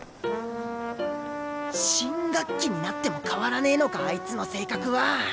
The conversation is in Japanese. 新学期になっても変わらねぇのかあいつの性格は。